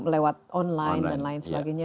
lewat online dan lain sebagainya